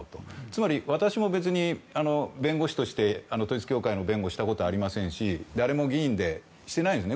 つまり私も、別に弁護士として統一教会の弁護をしたことありませんし誰も議員でしていないんです。